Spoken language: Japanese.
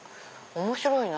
面白いな。